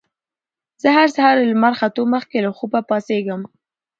زه هر سهار له لمر ختو مخکې له خوبه پاڅېږم